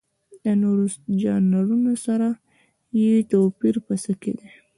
د نورو ژانرونو سره یې توپیر په څه کې دی؟